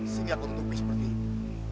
sehingga aku tutupi seperti ini